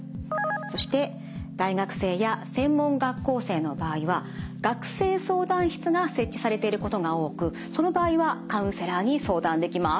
そして大学生や専門学校生の場合は学生相談室が設置されていることが多くその場合はカウンセラーに相談できます。